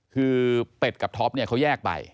คือเป็ดกับท็อปเนี่ยเขาแยกไป